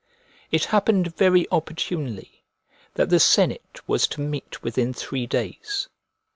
It happened very opportunely that the senate was to meet within three days.